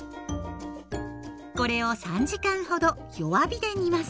これを３時間ほど弱火で煮ます。